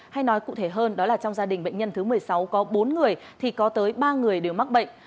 hay nói cụ thể hơn đó là trong gia đình bệnh nhân thứ một mươi sáu có bốn người thì có tới ba người đều mắc bệnh